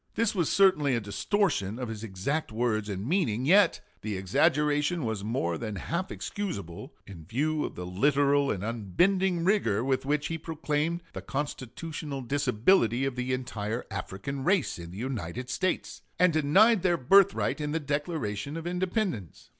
This was certainly a distortion of his exact words and meaning; yet the exaggeration was more than half excusable, in view of the literal and unbending rigor with which he proclaimed the constitutional disability of the entire African race in the United States, and denied their birthright in the Declaration of Independence.